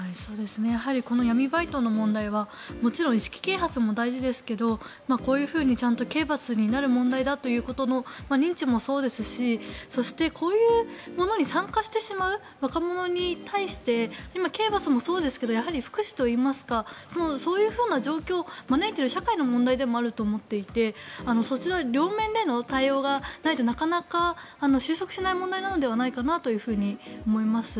この闇バイトの問題はもちろん意識啓発も大事ですけどこういうふうにちゃんと刑罰になる問題だということの認知もそうですしそして、こういうものに参加してしまう若者に対して刑罰もそうですけどやはり福祉といいますかそういう状況を招いている社会の問題でもあると思っていてそちら両面での対応がないとなかなか収束しない問題ではないかなと思います。